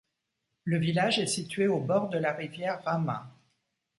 Le village est situé au bord de la rivière Rama.